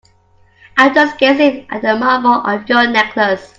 I'm just gazing at the marble of your necklace.